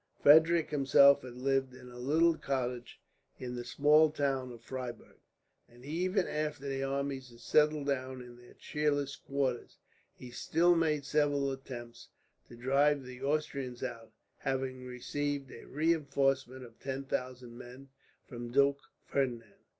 Frederick himself had lived in a little cottage in the small town of Freyburg, and even after the armies had settled down in their cheerless quarters, he still made several attempts to drive the Austrians out, having received a reinforcement of ten thousand men from Duke Ferdinand.